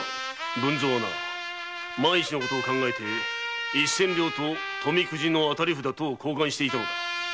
文造は万一のことを考えて千両とトミクジの当たり札を交換していた。